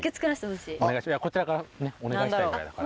こちらからお願いしたいぐらいだから。